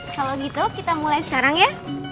kalau gitu kita mulai sekarang ya